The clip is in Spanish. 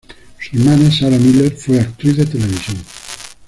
Su hermana Sarah Miller fue actriz de televisión.